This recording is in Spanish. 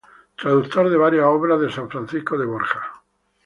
Traductor de varias obras de san Francisco de Borja.